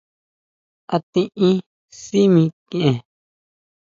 ¿A tiʼin sʼí mikʼien?